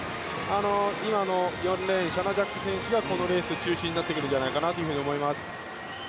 今の４レーンシャナ・ジャック選手がこのレース中心になってくるんじゃないかなと思います。